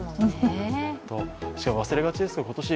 しかも忘れがちですけど今年